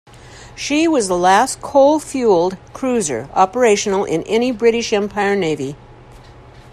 She was the last coal-fuelled cruiser operational in any British Empire navy.